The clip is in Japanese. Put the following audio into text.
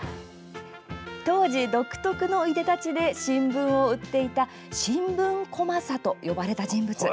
当時、独特のいでたちで新聞を売っていた新聞小政と呼ばれた人物。